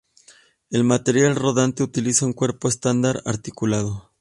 El material rodante utiliza un cuerpo estándar articulado.